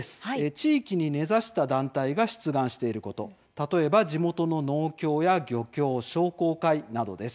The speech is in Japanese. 地域に根ざした団体が出願していること例えば地元の農協や漁協商工会などです。